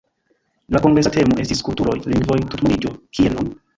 La kongresa temo estis “Kulturoj, lingvoj, tutmondiĝo: Kien nun?”.